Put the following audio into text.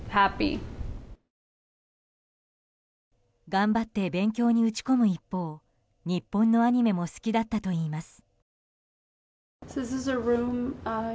頑張って勉強に打ち込む一方日本のアニメも好きだったといいます。